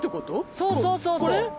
そうそうそうそう。